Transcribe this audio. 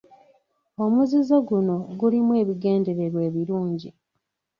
Omuzizo guno gulimu ebigendererwa ebirungi.